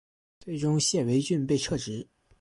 最终谢维俊被撤职。